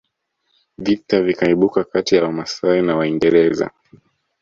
Vita vikaibuka kati ya Wamasai na Waingereza